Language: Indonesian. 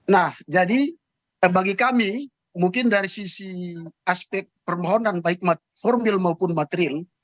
nah jadi bagi kami mungkin dari sisi aspek permohonan baik formil maupun material